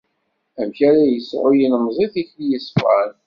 Amek ara yesɛu yilemẓi tikli yeṣfan?